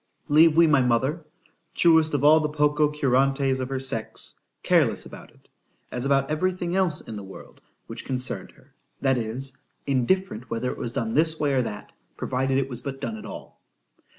—— Leave we my mother—(truest of all the Poco curante's of her sex!)—careless about it, as about every thing else in the world which concerned her;—that is,—indifferent whether it was done this way or that,——provided it was but done at all.